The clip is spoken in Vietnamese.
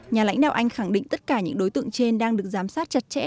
nhà lãnh đạo anh khẳng định tất cả những đối tượng trên đang được giám sát chặt chẽ